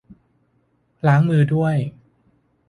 ล้างมือด้วย